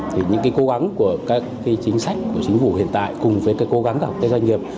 thì những cái cố gắng của các chính sách của chính phủ hiện tại cùng với cái cố gắng của cái doanh nghiệp